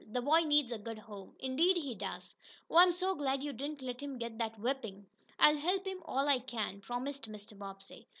The boy needs a good home." "Indeed he does. Oh, I'm so glad you didn't let him get that whipping!" "I'll help him all I can," promised Mr. Bobbsey.